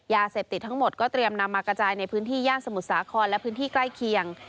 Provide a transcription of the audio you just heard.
ยาเสพติดทั้งหมดก็เตรียมนำมากระจายในพื้นที่ย่านสมุทรสาครและพื้นที่ใกล้เคียง